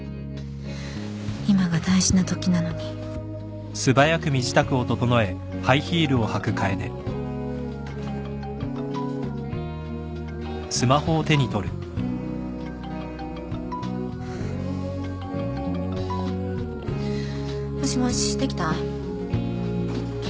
今が大事なときなのにもしもしできた ？ＯＫ。